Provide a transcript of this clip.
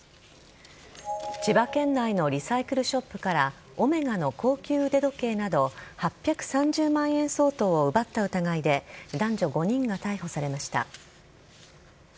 千葉県内のリサイクルショップからオメガの高級腕時計など８３０万円相当を奪った疑いで男女５人が逮捕されました。